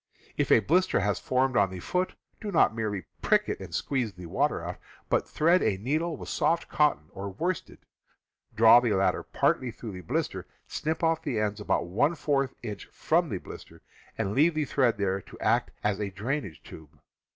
If a blister has formed on the foot, do not merely prick it and squeeze the water out, but thread a needle with soft cotton or worsted, draw the latter partly through the blister, snip off the ends about one fourth inch from the blister, and leave the thread there to act as a drainage tube.